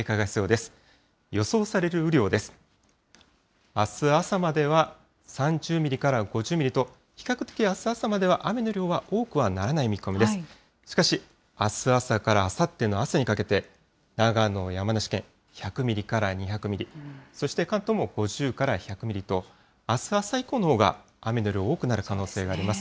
しかし、あす朝からあさっての朝にかけて、長野、山梨県、１００ミリから２００ミリ、そして関東も５０から１００ミリと、あす朝以降のほうが、雨の量、多くなる可能性があります。